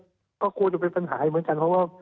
ตอนนั้นก็กลัวจะเป็นปัญหาเหมือนกันเพราะว่า